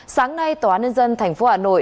sáng nay tòa án nhân dân tp hà nội